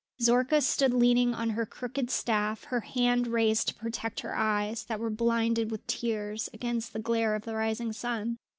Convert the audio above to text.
Zorka stood leaning on her crooked staff, her hand raised to protect her eyes, that were blinded with tears, against the glare of the rising sun.